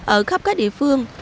ở khắp các địa phương